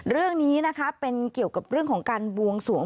เรื่องนี้นะคะเป็นเกี่ยวกับเรื่องของการบวงสวง